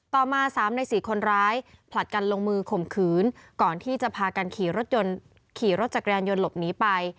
ต่อมา๓ใน๔คนร้ายผลัดกันลงมือข่มขืนก่อนที่จะพากันขี่รถยนต์ขี่รถจักรยานยนต์หลบหนีไป